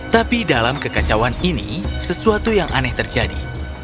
tapi dalam kekacauan ini sesuatu yang aneh terjadi